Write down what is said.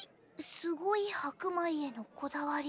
すごい白米へのこだわり。